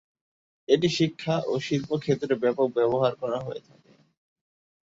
এটি শিক্ষা ও শিল্পক্ষেত্রে ব্যাপকভাবে ব্যবহার করা হয়ে থাকে।